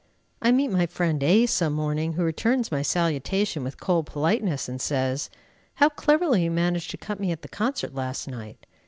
I meet my friend A , some morning, who returns my salutation with cold politeness, and says, "How cleverly you managed to cut me at the concert last night!"